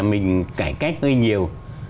mình cải cách hơi nhiều